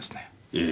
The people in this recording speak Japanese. ええ。